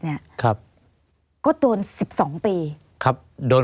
หรือว่าแม่ของสมเกียรติศรีจันทร์